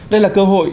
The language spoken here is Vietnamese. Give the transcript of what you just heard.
đây là cơ hội